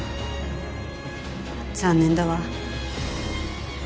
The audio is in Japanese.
残念だわ。